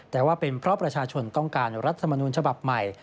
แต่ว่าเป็นเพราะประชาชนต้องการรัฐมนูญฉบับใหม่